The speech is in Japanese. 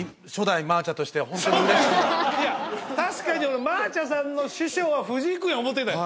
ホントにいや確かにマーチャさんの師匠は藤井君や思ってたよ